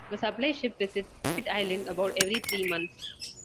A supply ship visits Pitt Island about every three months.